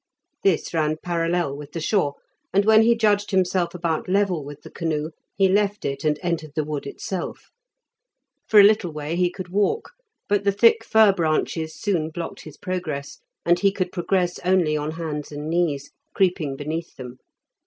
This ran parallel with the shore, and when he judged himself about level with the canoe he left it, and entered the wood itself. For a little way he could walk, but the thick fir branches soon blocked his progress, and he could progress only on hands and knees, creeping beneath them.